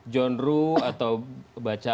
jondro atau baca